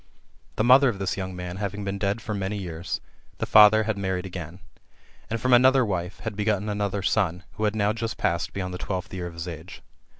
The mother of this young man having been dead for many years, the father had married again; and, from another wife, had b^otten another son, who had now just passed beyond the twelfth year of his age.